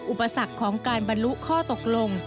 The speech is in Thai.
อุปสรรคของการบรรลุข้อตกลง